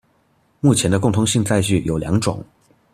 目前的共通性載具有兩種